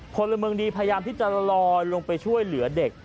พลเมืองดีพยายามที่จะลอยลงไปช่วยเหลือเด็ก